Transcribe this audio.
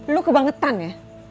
lu kebangetan ya